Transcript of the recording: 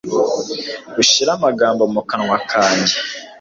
Ushira amagambo mu kanwa kanjye.